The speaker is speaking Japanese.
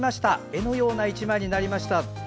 絵のような１枚になりました。